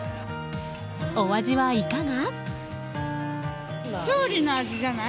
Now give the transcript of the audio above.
お味はいかが？